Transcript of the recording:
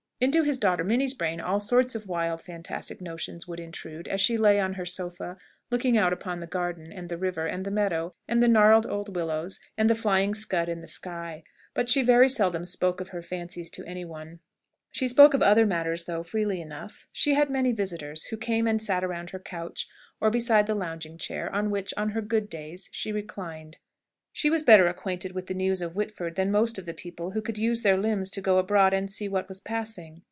Into his daughter Minnie's brain all sorts of wild, fantastic notions would intrude as she lay on her sofa, looking out upon the garden, and the river, and the meadow, and the gnarled old willows, and the flying scud in the sky; but she very seldom spoke of her fancies to any one. She spoke of other matters, though, freely enough. She had many visitors, who came and sat around her couch, or beside the lounging chair, on which, on her good days, she reclined. She was better acquainted with the news of Whitford than most of the people who could use their limbs to go abroad and see what was passing.